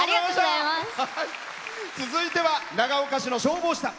続いては長岡市の消防士さん。